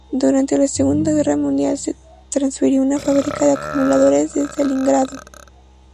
Durante la Segunda Guerra Mundial, se transfirió una fábrica de acumuladores desde Leningrado.